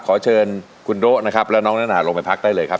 ขอเชิญคุณโด๊ะนะครับและน้องนานาลงไปพักได้เลยครับ